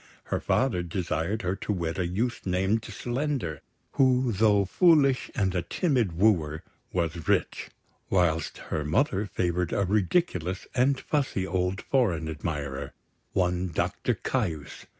Her father desired her to wed a youth named Slender, who, though foolish and a timid wooer, was rich; whilst her mother favoured a ridiculous and fussy old foreign admirer, one Doctor Caius.